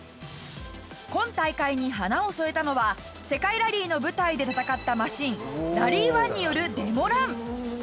今大会に花を添えたのは世界ラリーの舞台で戦ったマシンＲａｌｌｙ１によるデモラン。